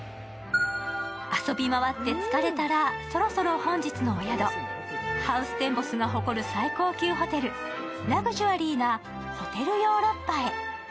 遊び回って疲れたらそろそろ本日のお宿、ハウステンボスが誇る最高級ホテル、ラグジュアリーなホテルヨーロッパへ。